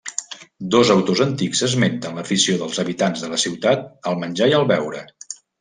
Dos autors antics esmenten l'afició dels habitants de la ciutat al menjar i al beure.